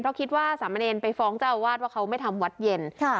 เพราะคิดว่าสามเณรไปฟ้องเจ้าอาวาสว่าเขาไม่ทำวัดเย็น